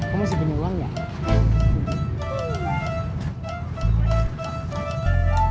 kamu masih punya uang ya